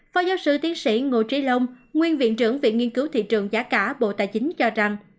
phó giáo sư tiến sĩ ngô trí long nguyên viện trưởng viện nghiên cứu thị trường giá cả bộ tài chính cho rằng